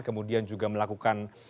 kemudian juga melakukan